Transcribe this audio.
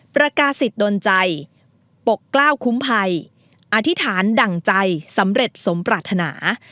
ประกาศิษย์ดนใจปกกล้าวคุ้มภัยอธิษฐานดั่งใจสำเร็จสมปรารถนา